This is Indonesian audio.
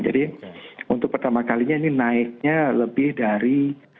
jadi untuk pertama kalinya ini naiknya lebih dari